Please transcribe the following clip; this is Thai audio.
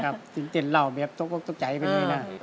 ครับตื่นเต็นเล่าแบบตกใจเป็นไงล่ะ